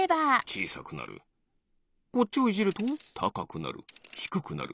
こっちをいじるとたかくなるひくくなる